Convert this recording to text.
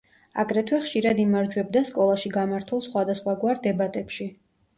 აგრეთვე ხშირად იმარჯვებდა სკოლაში გამართულ სხვადასხვაგვარ დებატებში.